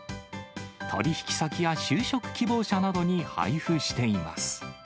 取り引き先や就職希望者などに配布しています。